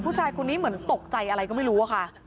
ผู้ชายคนนี้เหมือนตกใจอะไรก็ไม่รู้อะค่ะ